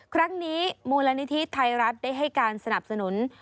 ครั้งนี้มูลนิธิไทยรัฐได้ให้การสนับสนุน